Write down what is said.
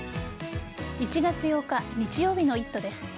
１月８日日曜日の「イット！」です。